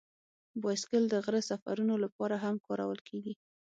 بایسکل د غره سفرونو لپاره هم کارول کېږي.